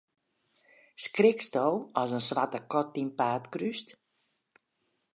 Skriksto as in swarte kat dyn paad krúst?